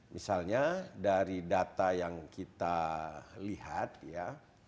misalnya dari data yang kita lihat ya